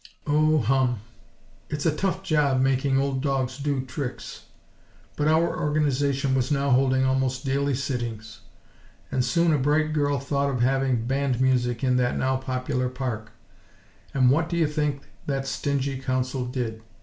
Oh, hum!! It's a tough job making old dogs do tricks. But our Organization was now holding almost daily sittings, and soon a bright girl thought of having band music in that now popular park. And what do you think that stingy Council did?